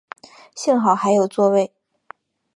幸好还有座位